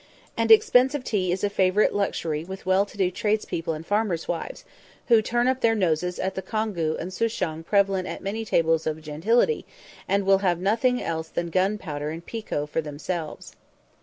And expensive tea is a very favourite luxury with well to do tradespeople and rich farmers' wives, who turn up their noses at the Congou and Souchong prevalent at many tables of gentility, and will have nothing else than Gunpowder and Pekoe for themselves.